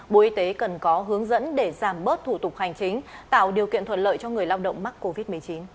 bộ y tế cần có hướng dẫn để giảm bớt thủ tục hành chính tạo điều kiện thuận lợi cho người lao động mắc covid một mươi chín